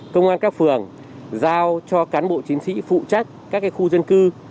công an các phường giao cho cán bộ chiến sĩ phụ trách các khu dân cư